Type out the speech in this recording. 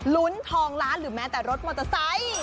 ลุ้นทองล้านหรือแม้แต่รถมอเตอร์ไซค์